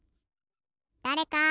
だれか！